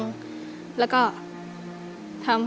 มาพบกับแก้วตานะครับนักสู้งาน